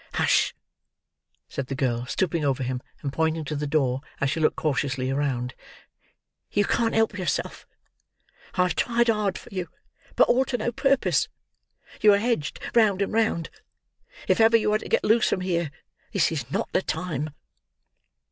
"Hush!" said the girl, stooping over him, and pointing to the door as she looked cautiously round. "You can't help yourself. I have tried hard for you, but all to no purpose. You are hedged round and round. If ever you are to get loose from here, this is not the time."